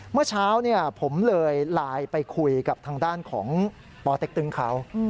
เมื่อเช้าผมเลยไลน์ไปคุยกับทางด้านของปเต็กตึงเขา